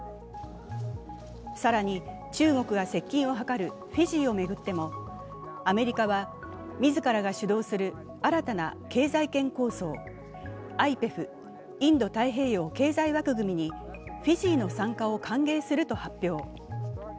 更に中国が接近を図るフィジーを狙ってもアメリカは自らが主導する新たな経済圏構想、ＩＰＥＦ＝インド太平洋経済枠組みにフィジーの参加を歓迎すると発表。